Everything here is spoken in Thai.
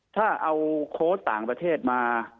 ถ้าเอาโค้ชต่างประเทศมา